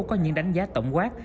có những đánh giá tổng quát